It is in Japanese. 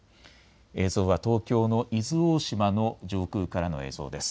映像は東京の伊豆大島の上空からの映像です。